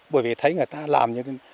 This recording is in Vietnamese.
bởi vì thấy người ta là một người phụ nữ